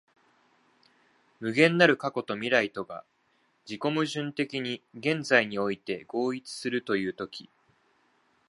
無限なる過去と未来とが自己矛盾的に現在において合一するという時、